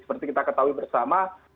seperti kita ketahui bersama